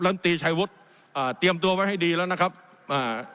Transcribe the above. ันตีชัยวุฒิอ่าเตรียมตัวไว้ให้ดีแล้วนะครับอ่า